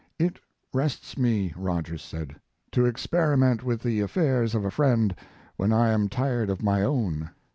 "It rests me," Rogers said, "to experiment with the affairs of a friend when I am tired of my own.